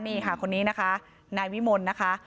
นี่ค่ะคนนี้นะคะนายวิมลนะคะ